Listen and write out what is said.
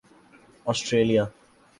Australia